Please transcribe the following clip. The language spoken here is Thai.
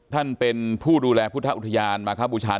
ท่านเป็นผู้ดูแลพุทธอุทยานมาครับบูชา